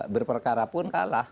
berperkara pun kalah